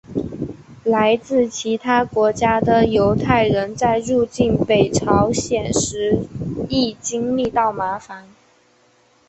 来自其他国家的犹太人在入境北朝鲜时亦经历到麻烦。